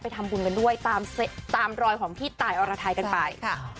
ทำบุญกันด้วยตามรอยของพี่ตายอรไทยกันไป